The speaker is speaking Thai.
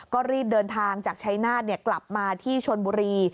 ก็รีบเดินทางจากชายนาฏกลับมาที่ชนบุรี